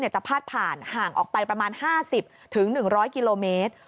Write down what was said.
จะพาดผ่านห่างออกไปประมาณ๕๐๑๐๐กิโลเมตร